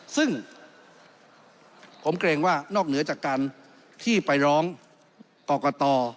ซึ่งผมเกรงว่านอกเหนือจากการที่ไปร้องกรกต